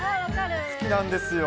好きなんですよ。